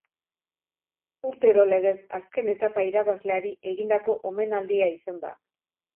Urtero legez, azken etapa irabazleari egindako omenaldia izan da.